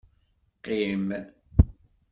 Qqim.